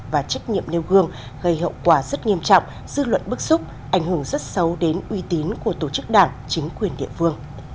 và trách nhiệm nêu gương gây hậu quả rất nghiêm trọng dư luận bức xúc ảnh hưởng rất xấu đến uy tín của tổ chức đảng chính quyền địa phương